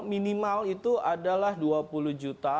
minimal itu adalah dua puluh juta